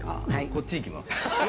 こっち行きます。